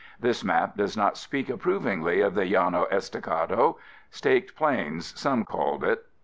This map does not speak approvingly of the Llano Estacado. Staked Plains, some called it.